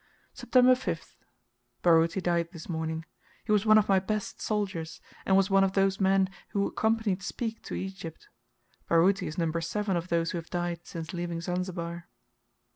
September 5th. Baruti died this morning. He was one of my best soldiers; and was one of those men who accompanied Speke to Egypt. Baruti is number seven of those who have died since leaving Zanzibar.